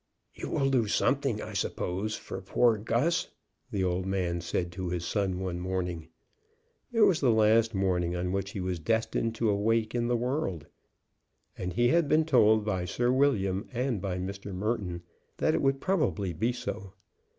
"You will do something, I suppose, for poor Gus?" the old man said to his son one morning. It was the last morning on which he was destined to awake in the world, and he had been told by Sir William and by Mr. Merton that it would probably be so.